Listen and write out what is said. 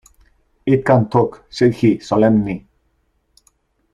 ‘It can talk,’ said he, solemnly.